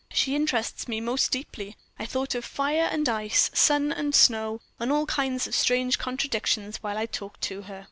"She interests me most deeply. I thought of fire and ice, sun and snow, and all kinds of strange contradictions while I talked to her."